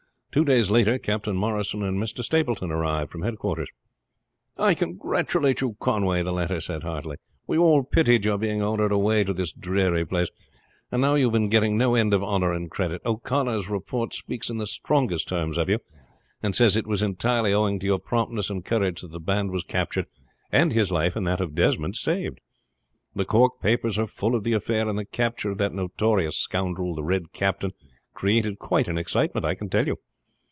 Two days later Captain Morrison and Mr. Stapleton arrived from headquarters. "I congratulate you, Conway," the latter said heartily. "We all pitied your being ordered away to this dreary place; and now you have been getting no end of honor and credit. O'Connor's report speaks in the strongest terms of you, and says it was entirely owing to your promptness and courage that the band was captured, and his life and that of Desmond saved. The Cork papers are full of the affair; and the capture of that notorious scoundrel, the Red Captain, created quite an excitement, I can tell you.